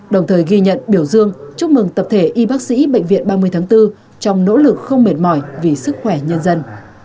đồng thời ghi nhận biểu dương chúc mừng tập thể y bác sĩ bệnh viện ba mươi tháng bốn trong nỗ lực không mệt mỏi vì sức khỏe nhân dân